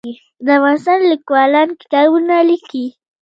د افغانستان لیکوالان کتابونه لیکي